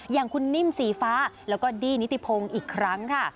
อย่างคุณนิ่มสีฟ้าแล้วก็ดี้นิติพงศ์อีกครั้งค่ะ